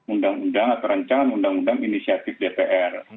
undang undang atau rancangan undang undang inisiatif dpr